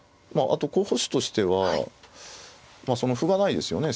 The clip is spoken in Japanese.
あと候補手としては歩がないですよね